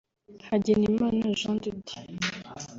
Hagenimana Jean de Dieu